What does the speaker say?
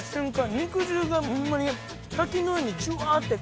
肉汁がホンマに滝のようにジュワーッて。